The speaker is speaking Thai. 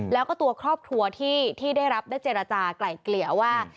แล้วก็ตัวครอบครัวที่ได้รับได้เจรจากลายเกลี่ยว่า